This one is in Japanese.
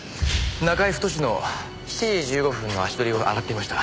中居太の７時１５分の足取りを洗っていました。